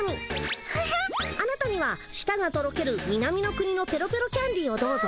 あなたにはしたがとろける南の国のペロペロキャンディーをどうぞ！